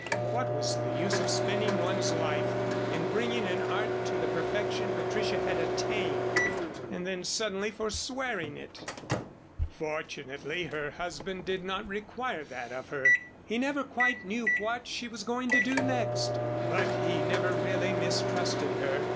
What was the use spending one's life in bringing an art to the perfection Patricia had attained and then suddenly forswearing it? Fortunately her husband did not require that of her. He never quite knew what she was going to do next, but he never really mistrusted her.